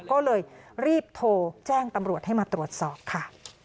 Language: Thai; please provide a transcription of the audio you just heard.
ก็เลยรีบโทรแจ้งตำรวจให้มาตรวจสอบค่ะ